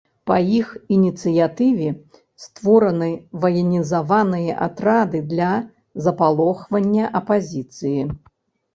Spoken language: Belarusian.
Па іх ініцыятыве створаны ваенізаваныя атрады для запалохвання апазіцыі.